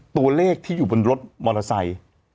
ตัวเลขที่อยู่บนรถมอเตอร์ไซค์